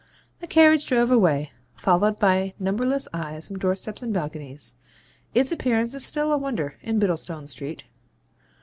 The carriage drove away, followed by numberless eyes from doorsteps and balconies; its appearance is still a wonder in Bittlestone Street.